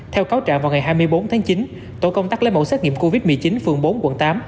theo cáo trạng vào ngày hai mươi bốn tháng chín tổ công tác lấy mẫu xét nghiệm covid một mươi chín phường bốn quận tám